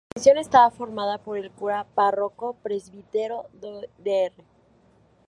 La comisión estaba formada por el Cura Párroco Presbítero Dr.